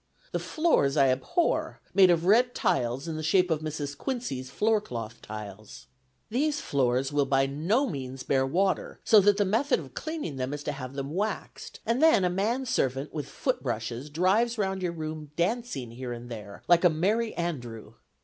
The floors I abhor, made of red tiles in the shape of Mrs. Quincy's floor cloth tiles. These floors will by no means bear water, so that the method of cleaning them is to have them waxed, and then a manservant with foot brushes drives round your room dancing here and there like a Merry Andrew.